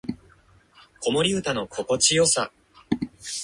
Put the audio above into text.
子守唄の心地よさ